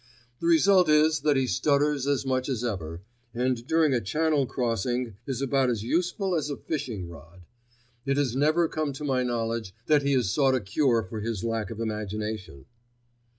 The result is that he stutters as much as ever, and during a Channel crossing is about as useful as a fishing rod. It has never come to my knowledge that he has sought a cure for his lack of imagination.